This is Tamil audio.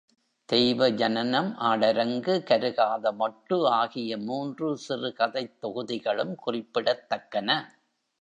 தெய்வ ஜனனம், ஆடரங்கு, கருகாதமொட்டு ஆகிய மூன்று சிறுகதைத் தொகுதிகளும் குறிப்பிடத்தக்கன.